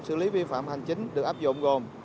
xử lý vi phạm hành chính được áp dụng gồm